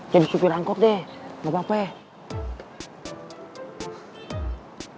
jadi supir angkut deh gapapa ya